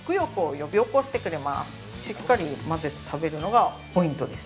しっかり混ぜて食べるのが、ポイントです。